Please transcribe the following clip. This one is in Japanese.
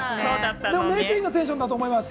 でも、まぁまぁいいテンションだと思います。